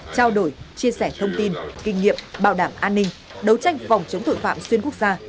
trao đổi chia sẻ thông tin kinh nghiệm bảo đảm an ninh đấu tranh phòng chống tội phạm xuyên quốc gia